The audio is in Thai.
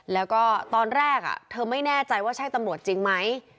แล้วก็ตอนแรกเธอไม่แน่ใจว่าใช่ตำรวจจริงไหม